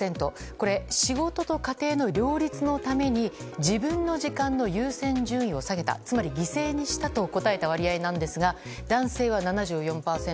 これ、仕事と家庭の両立のために自分の時間の優先順位を下げたつまり犠牲にしたと答えた割合なんですが男性は７４％。